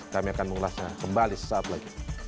kami akan mengulasnya kembali sesaat lagi